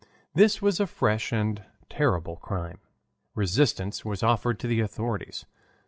This was a fresh and terrible crime: resistance was offered to the authorities.